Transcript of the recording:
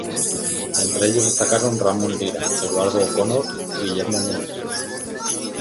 Entre ellos destacaron Ramón Lira, Eduardo O'Connor y Guillermo Nunes.